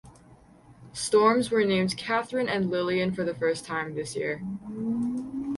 Storms were named Katherine and Lillian for the first time this year.